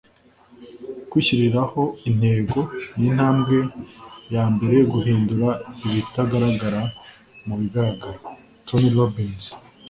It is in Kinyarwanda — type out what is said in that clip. kwishyiriraho intego ni intambwe yambere yo guhindura ibitagaragara mu bigaragara. - tony robbins